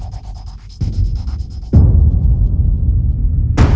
ตอนที่สุดมันกลายเป็นสิ่งที่ไม่มีความคิดว่า